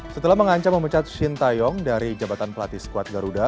setelah mengancam memecat shin taeyong dari jabatan pelatih squad garuda